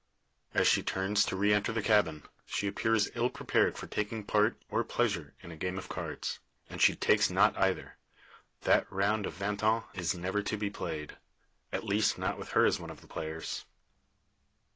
As she turns to re enter the cabin, she appears ill prepared for taking part, or pleasure, in a game of cards. And she takes not either. That round of vingt un is never to be played at least not with her as one of the players.